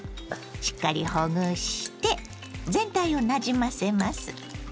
しっかりほぐして全体をなじませます。